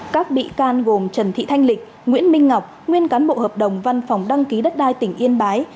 các bị can gồm trần thị thanh lịch nguyễn minh ngọc nguyên cán bộ hợp đồng văn phòng đăng ký đất đai tỉnh yên bái